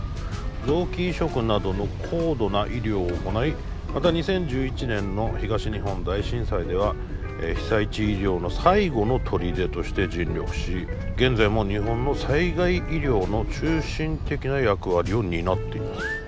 臓器移植などの高度な医療を行いまた２０１１年の東日本大震災では被災地医療の最後の砦として尽力し現在も日本の災害医療の中心的な役割を担っています。